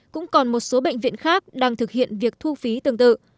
cũng còn một số bệnh viện khác đang thực hiện việc thu phí tương tự